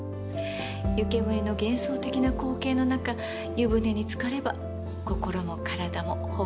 湯煙の幻想的な光景の中湯船につかれば心も体もほっこり。